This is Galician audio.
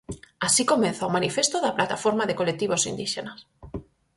Así comeza o manifesto da plataforma de colectivos indíxenas.